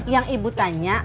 yang ibu tanya